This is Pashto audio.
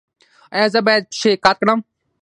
ایا زه باید پښې قات کړم؟